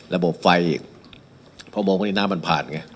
ระบบไฟอีกเพราะอุโมงอันนี้น้ำมันผ่านไง